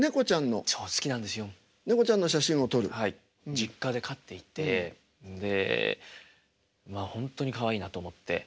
実家で飼っていてで本当にかわいいなと思って。